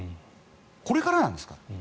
これからなんですから。